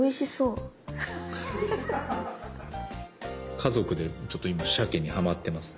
家族でちょっと今シャケにハマってますね。